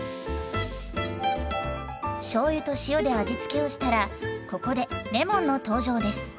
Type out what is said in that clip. しょうゆと塩で味付けをしたらここでレモンの登場です。